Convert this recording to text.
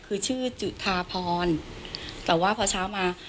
คือชื่อจุธาพรแต่ว่าพอเช้ามา